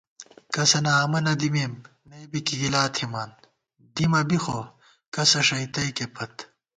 کسَنہ آمہ نہ دِمېم ، نئ بی کی گِلا تھِمان، دِمہ بی خو کسہ ݭئ تئیکے پت